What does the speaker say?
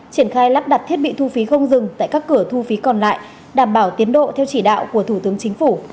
triển khai lắp đặt thiết bị thu phí không dừng tại các cửa thu phí còn lại đảm bảo tiến độ theo chỉ đạo của thủ tướng chính phủ